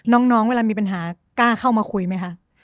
น้องเวลามีปัญหากล้าเข้ามาคุยไหมคะ